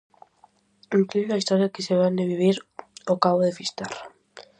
Incrible a historia que se vén de vivir o cabo de Fisterra.